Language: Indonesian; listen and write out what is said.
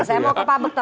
saya mau ke pak bekto